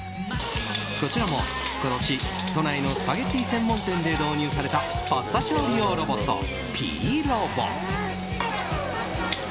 こちらも今年、都内のスパゲティ専門店で導入されたパスタ調理用ロボットＰ‐Ｒｏｂｏ。